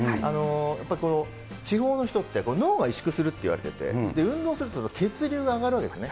やっぱりこの痴ほうの人って、脳が委縮するっていわれてて、運動すると、血流が上がるわけですね。